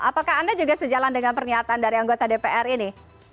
apakah anda juga sejalan dengan pernyataan dari anggota dpr ini